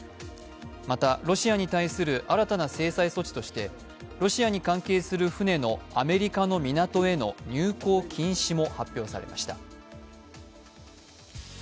また、ロシアに対する新たな制裁措置としてロシアに関係する船のアメリカの港への入港禁止も発表されました。